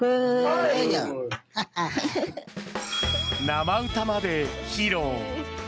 生歌まで披露。